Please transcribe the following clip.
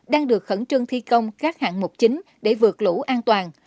đang được khẩn trương thi công các hạng mục chính để vượt lũ an toàn